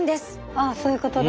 あっそういうことだ。